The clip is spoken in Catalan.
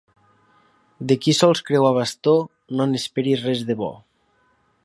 De qui sols creu a bastó, no n'esperis res de bo.